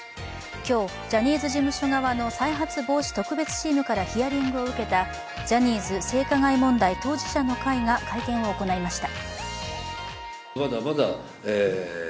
今日、ジャニーズ事務所側の再発防止特別チームからヒアリングを受けたジャニーズ性加害問題当事者の会が会見を行いました。